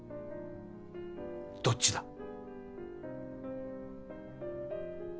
どっちだ？